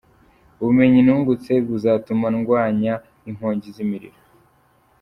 Ubumenyi nungutse buzatuma ndwanya inkongi z’imiriro."